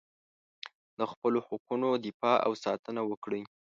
د خپلو حقونو دفاع او ساتنه وکړئ.